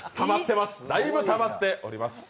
だいぶたまっております。